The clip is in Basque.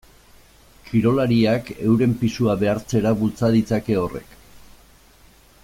Kirolariak euren pisua behartzera bultza ditzake horrek.